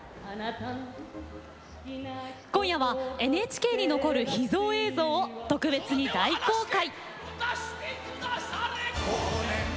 今夜は、ＮＨＫに残る秘蔵映像を特別に大公開。